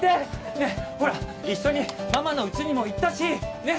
ねえほら一緒にママの家にも行ったしねっ？